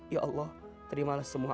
ya allah terimalah semua